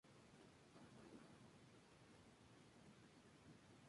Doherty estudió en Upton Hall Convent School.